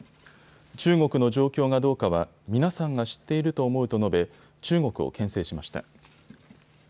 中国の状況がどうかは皆さんが知っていると思うと述べ中国をけん制しました。